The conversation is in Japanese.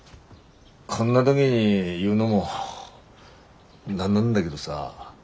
こんな時に言うのもなんなんだげどさ。